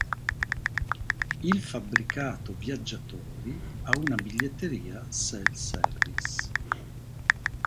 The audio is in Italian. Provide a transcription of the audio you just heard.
Il fabbricato viaggiatori ha una biglietteria self-service.